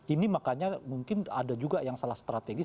ini makanya mungkin ada juga yang salah strategis